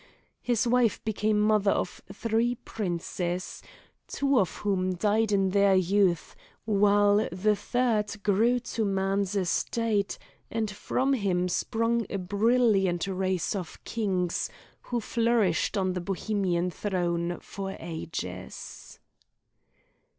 His wife became mother of three princes, two of whom died in their youth, while the third grew to man's estate, and from him sprung a brilliant race of kings, who flourished on the Bohemian throne for ages.